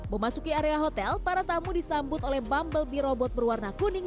memasuki area hotel para tamu disambut oleh bumble birobot berwarna kuning